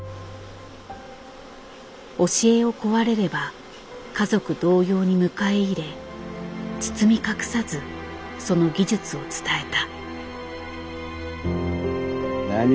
教えを請われれば家族同様に迎え入れ包み隠さずその技術を伝えた。